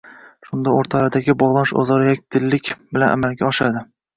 Shunda o‘rtalaridagi bog‘lanish o‘zaro yakdillik bilan amalga oshadi.